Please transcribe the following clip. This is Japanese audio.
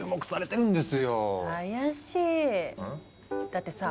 だってさ